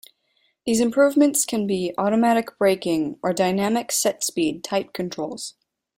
These improvements can be automatic braking or dynamic set-speed type controls.